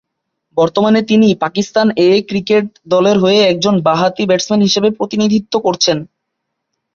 বর্তমানে তিনি "Pakistan A" cricket দলের হয়ে একজন বা-হাতি ব্যাটসম্যান হিসেবে প্রতিনিধিত্ব করছেন।